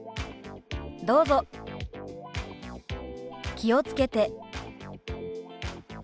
「気をつけて」。